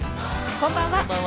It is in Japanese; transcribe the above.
こんばんは。